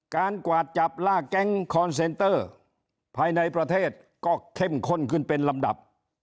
กวาดจับลากแก๊งคอนเซนเตอร์ภายในประเทศก็เข้มข้นขึ้นเป็นลำดับ